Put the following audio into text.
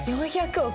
４００億！？